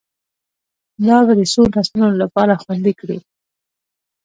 دا به د څو نسلونو لپاره خوندي کړي